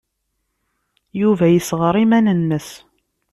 Yuba yessɣer iman-nnes.